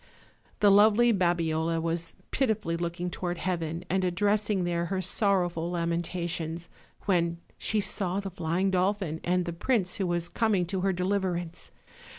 The lovely Babiola was pitifully looking toward heaven, and addressing there her sorrowful lamentations, when she saw the flying dolphin and the prince who was com ing to her deliverance.